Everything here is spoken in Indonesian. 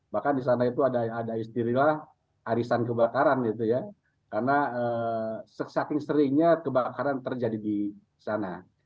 bahkan di sana itu ada istilah arisan kebakaran gitu ya karena saking seringnya kebakaran terjadi di sana